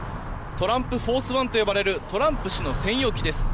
トランプフォースワンと呼ばれるトランプ氏の専用機です。